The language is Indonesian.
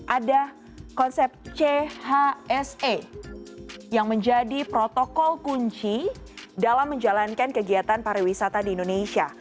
ada konsep chse yang menjadi protokol kunci dalam menjalankan kegiatan pariwisata di indonesia